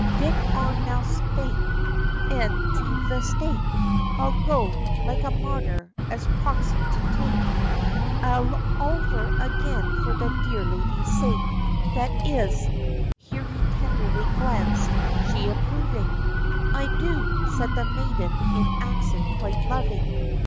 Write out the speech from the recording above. Dick on now spake, 'E'en to the stake 'I'll go, like a martyr, as proxy to take All over again for the dear lady's sake; That is (here he tenderly glanced), she approving?' 'I do!' said the maiden, in accent quite loving.